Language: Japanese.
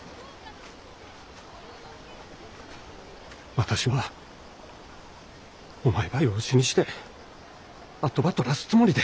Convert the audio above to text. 私はお前ば養子にして跡ばとらすつもりで。